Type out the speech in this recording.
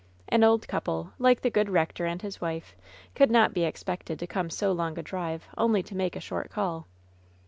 An old couple, like the good rector and his wife, could not be expected to come so long a drive only to make a short call.